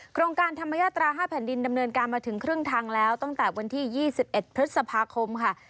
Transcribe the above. โครงการธรรมยาตรา๕แผ่นดินดำเนินการมาถึงครึ่งทางแล้วตั้งแต่วันที่๒๑พฤษภาคมค่ะ